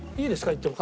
いっても。